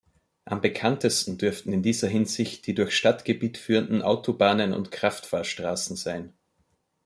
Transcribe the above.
Am bekanntesten dürften in dieser Hinsicht die durch Stadtgebiet führenden Autobahnen und Kraftfahrstraßen sein.